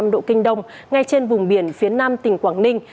một trăm linh bảy năm độ kinh đông ngay trên vùng biển phía nam tỉnh quảng ninh